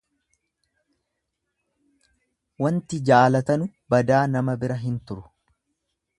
Wanti jaalatanu badaa nama bira hin turu.